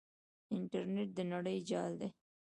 انټرنیټ د نړۍ جال دی.